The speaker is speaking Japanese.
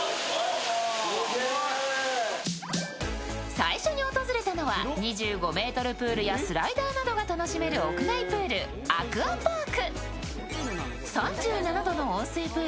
最初に訪れたのは２５ｍプールやスライダーなどが楽しめる屋内プール、アクアパーク。